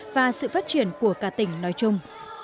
và sự phát triển của cả tỉnh nói chung